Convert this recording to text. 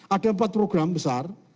ada empat program besar